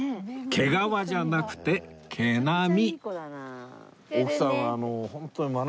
毛皮じゃなくて毛並み！